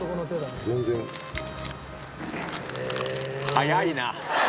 早いな。